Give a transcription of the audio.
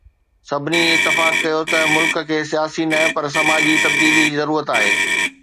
سڀني اتفاق ڪيو ته ملڪ کي سياسي نه پر سماجي تبديلي جي ضرورت آهي.